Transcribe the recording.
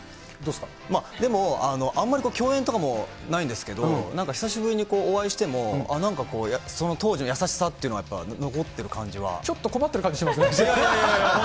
でも、あんまり共演とかもないんですけど、久しぶりにお会いしても、なんかその当時の優しさっていうのは、ちょっと困ってる感じが。